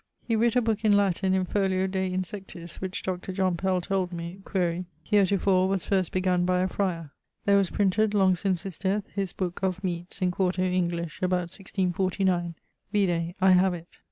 He writt a booke in Latin in folio de insectis which Dr. John Pell told me (quaere) heretofore was first begun by a friar.... There was printed, long since his death, his booke Of Meates (in quarto, English), about 1649. Vide; I have it. ...